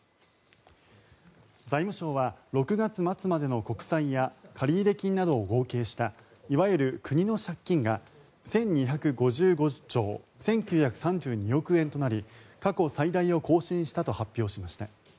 財務省は６月末までの国債や借入金などを合計したいわゆる国の借金が１２５５兆１９３２億円となり過去最大を更新したと発表しました。